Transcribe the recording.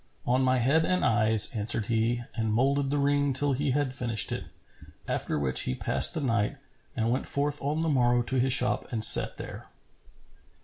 "On my head and eyes," answered he and moulded the ring till he had finished it, after which he passed the night and went forth on the morrow to his shop and sat there.